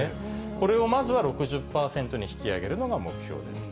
これをまずは６０％に引き上げるのが目標です。